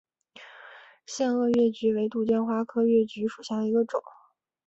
腺萼越桔为杜鹃花科越桔属下的一个种。